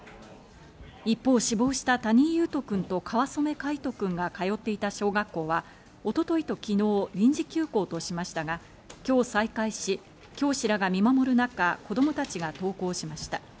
一方、死亡した谷井勇斗くんと川染凱仁くんが通っていた小学校は一昨日と昨日、臨時休校としましたが、今日再開し、教師らが見守る中、子供たちが登校しました。